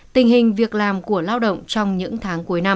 tình hình việc làm của lao động trong những tháng cuối năm